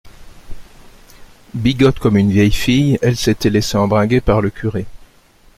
Bigote comme une vieille fille, elle s’était laissé embringuer par le curé